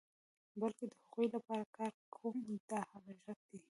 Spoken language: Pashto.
بلکې د هغو لپاره کار کوم دا حقیقت دی.